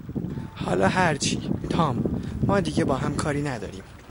حالا هرچی، تام. ما دیگه باهم کاری نداریم.